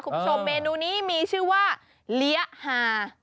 คุณผู้ชมเมนูนี้มีชื่อว่าเลี้ยฮา